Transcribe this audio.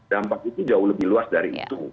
dampak itu jauh lebih luas dari itu